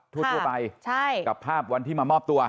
ทั่วไปใช่กับภาพวันที่มามอบตัว